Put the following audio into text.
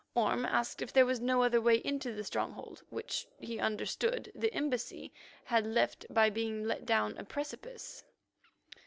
Orme asked if there was no other way into the stronghold, which, he understood, the embassy had left by being let down a precipice.